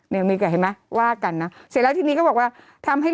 เน้วมีแก่ไหมว่ากันน่ะเสร็จแล้วที่นี้ก็บอกว่าทำให้